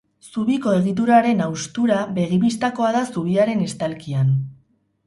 Zubiko egituraren haustura begi-bistakoa da zubiaren estalkian.